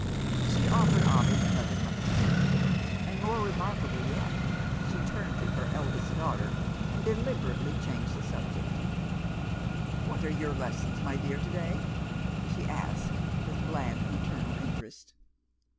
She offered Ovid another cup of tea; and, more remarkable yet, she turned to her eldest daughter, and deliberately changed the subject. "What are your lessons, my dear, to day?" she asked, with bland maternal interest.